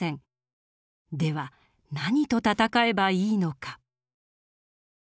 では何と戦えばいいのか。